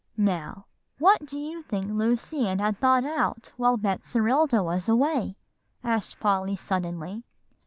"Now, what do you think Lucy Ann had thought out while Betserilda was away?" asked Polly suddenly.